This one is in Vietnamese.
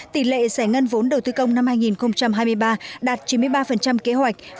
tỷ lệ giải ngân vốn đầu tư công năm hai nghìn hai mươi ba đạt chín mươi ba kế hoạch